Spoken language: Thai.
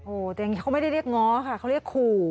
โอ้โหแต่อย่างนี้เขาไม่ได้เรียกง้อค่ะเขาเรียกขู่